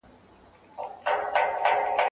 د یتیمانو پالنه زموږ د اسلامي ټولني اساسي دنده ده.